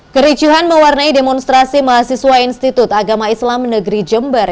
kericuhan mewarnai demonstrasi mahasiswa institut agama islam negeri jember